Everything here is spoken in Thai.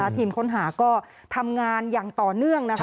ทีมค้นหาก็ทำงานอย่างต่อเนื่อง